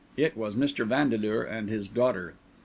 It was Mr. Vandeleur and his daughter.